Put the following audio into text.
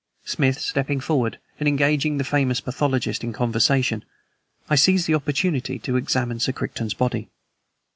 Smith stepping forward and engaging the famous pathologist in conversation, I seized the opportunity to examine Sir Crichton's body.